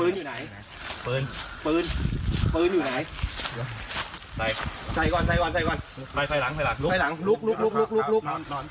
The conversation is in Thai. ปืนอยู่ไหนใส่ก่อนใส่ไหลหลังลุกลุก